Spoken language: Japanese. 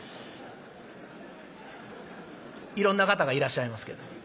いろんな方がいらっしゃいますけど。